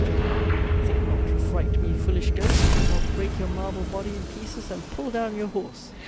JOHN. Think not to fright me, foolish ghost; I'll break your marble body in pieces and pull down your horse.